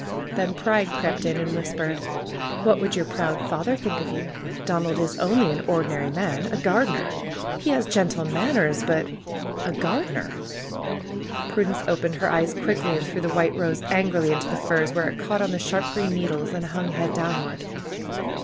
Then Pride crept in and whispered : ^^What would your proud father think of you? Don ald is only an ordinary man! A gardener! He haa gentle manners, but ! A gardener!" Prudence opened her eyes quickly, and threw the white rose angrily into the firs, where it caught on the sharp green needles and hung head downward.